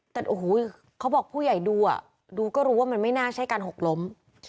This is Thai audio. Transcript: แต่โอ้โหเขาบอกผู้ใหญ่ดูอ่ะดูก็รู้ว่ามันไม่น่าใช่การหกล้ม